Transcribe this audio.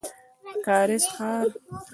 د کارېز ښار.